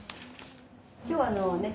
今日あのね。